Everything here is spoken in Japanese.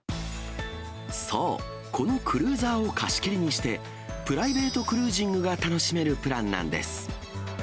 そう、このクルーザーを貸し切りにして、プライベートクルージングが楽しめるプランなんです。